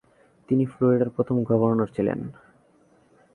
তিনি ফ্লোরিডার প্রথম গভর্নর ছিলেন।